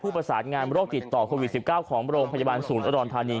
ประสานงานโรคติดต่อโควิด๑๙ของโรงพยาบาลศูนย์อุดรธานี